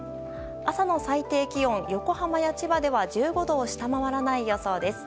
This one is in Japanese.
朝の最低気温、横浜や千葉では１５度を下回らない予想です。